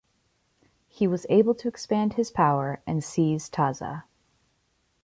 He was able to expand his power and seize Taza.